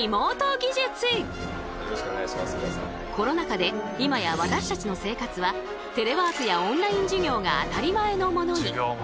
今コロナ禍で今や私たちの生活はテレワークやオンライン授業が当たり前のものに。